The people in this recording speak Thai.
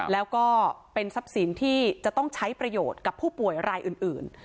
แล้วก็เป็นทรัพย์สินที่จะต้องใช้ประโยชน์กับผู้ป่วยรายอื่น